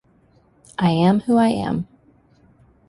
I am who I am.